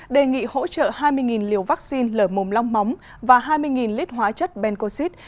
đề nghị hỗ trợ hai mươi liều vaccine lở mồm long móng và hai mươi lít hóa chất bencoxid